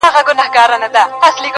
د حمزه د حسن تصور